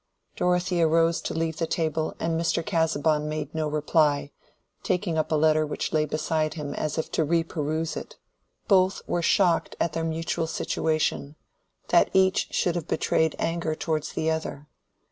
Dorothea rose to leave the table and Mr. Casaubon made no reply, taking up a letter which lay beside him as if to reperuse it. Both were shocked at their mutual situation—that each should have betrayed anger towards the other.